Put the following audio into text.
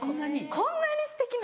こんなにすてきな。